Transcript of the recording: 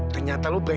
ternyata lu berhasil